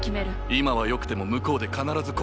今はよくても向こうで必ず後悔する。